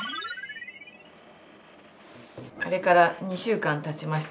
あれから２週間たちました。